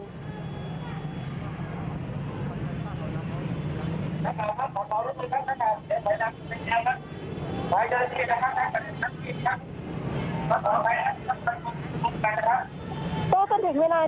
ข้างเจ้าละทีขอความร่วมมือให้สื่อมันชนออกมาจากพื้นที่นะคะเพื่อความปลอดภัย